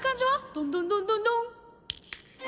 ドンドンドンドンドン！